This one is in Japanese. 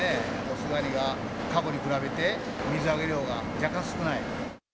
雄ガニが過去に比べて水揚げ量が若干少ない。